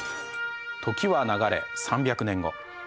時は流れ３００年後。